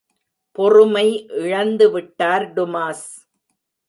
பொறுமை இழந்து விட்டார் டுமாஸ்.